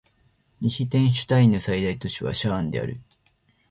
リヒテンシュタインの最大都市はシャーンである